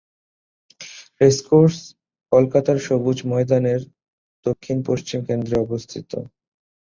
Racecourse কলকাতার সবুজ ময়দানের দক্ষিণ-পশ্চিম কেন্দ্রে অবস্থিত।